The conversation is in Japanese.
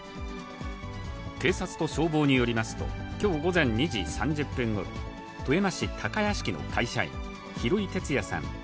警察と消防によりますと、きょう午前２時３０分ごろ、富山市高屋敷の会社員、廣井哲也さん